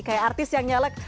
kayak artis yang nyalek